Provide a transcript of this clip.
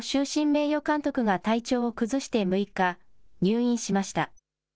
名誉監督が体調を崩して６日、入院しました。